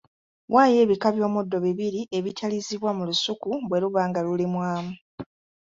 Waayo ebika by’omuddo bibiri ebitalizibwa mu lusuku bwe luba nga lulimwamu.